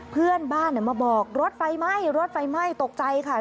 เพื่อนบ้านมาบอกรถไฟไหม้ตกใจค่ะ